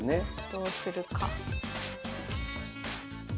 どうするか。